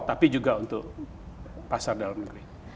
tapi juga untuk pasar dalam negeri